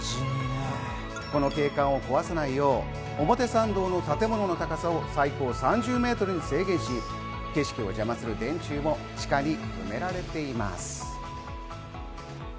この景観を壊さないよう、表参道の建物の高さは最高３０メートルに制限し、景色を邪魔する電柱も地下に埋められています。